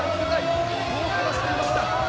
と話していました。